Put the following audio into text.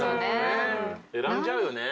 選んじゃうよね。